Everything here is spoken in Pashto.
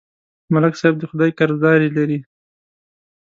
ملک صاحب د خدای قرضداري لري